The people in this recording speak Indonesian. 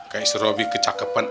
kayak si roby kecakepan